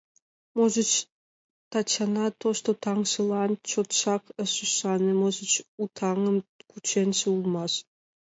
Можыч, Тачана тошто таҥжылан чотшак ыш ӱшане, можыч, у таҥым кучынеже улмаш.